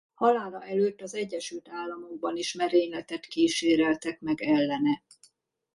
Halála előtt az Egyesült Államokban is merényletet kíséreltek meg ellene.